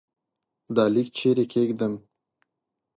دا لیک چيري کښېږدم ؟